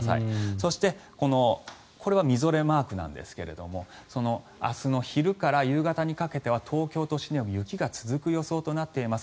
そしてこれはみぞれマークなんですが明日の昼から夕方にかけては東京都心でも雪が続く予想となっています。